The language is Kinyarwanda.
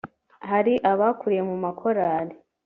hari abakuriye mu makorali